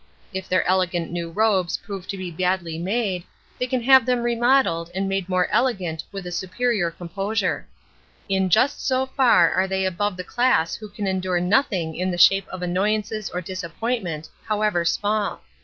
If their elegant new robes prove to be badly made they can have them remodeled and made more elegant with a superior composure. In just so far are they above the class who can endure nothing in the shape of annoyances or disappointment, however small.